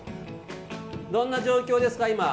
どんな状況ですか、今？